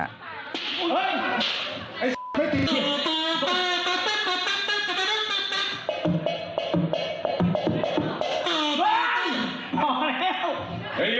เฮ้ยไอ้ไม่ตี